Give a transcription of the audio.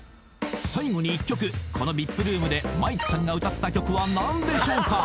最後に一曲このＶＩＰルームでマイクさんが歌った曲は何でしょうか？